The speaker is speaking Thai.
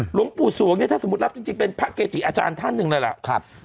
หลวงปู่สวงเนี่ยถ้าสมมุติรับจริงเป็นพระเกจิอาจารย์ท่านหนึ่งเลยล่ะ